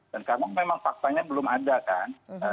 dan karena memang faktanya belum ada kan